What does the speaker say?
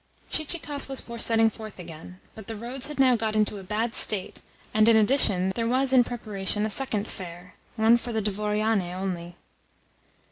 Chichikov was for setting forth again, but the roads had now got into a bad state, and, in addition, there was in preparation a second fair one for the dvoriane only.